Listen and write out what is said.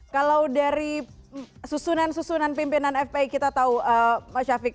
kalau dari susunan susunan pimpinan fpi kita tahu mas syafiq